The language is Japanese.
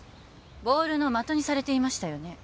ボールの的にされていましたよね